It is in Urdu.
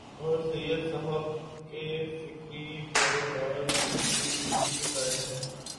اورسید صاحب کے فکری پیرو کار بھی اسی کے قائل ہیں۔